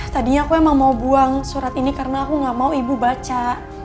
tadinya aku emang mau buang surat ini karena aku gak mau ibu baca